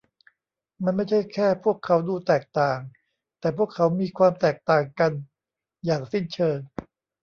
มันไม่ใช่แค่พวกเขาดูแตกต่าง แต่พวกเขามีความแตกต่างกันอย่างสิ้นเชิง